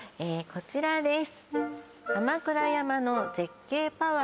こちらです